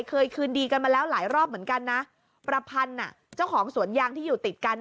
คืนดีกันมาแล้วหลายรอบเหมือนกันนะประพันธ์อ่ะเจ้าของสวนยางที่อยู่ติดกัน